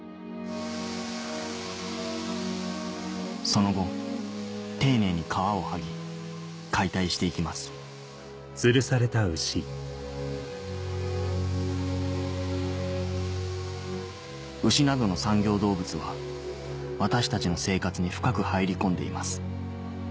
その後丁寧に皮を剥ぎ解体して行きます牛などの産業動物は私たちの生活に深く入り込んでいます